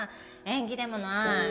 縁起でもない